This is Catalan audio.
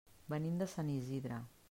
Venim de Sant Isidre.